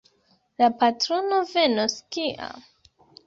La patrono venos kiam?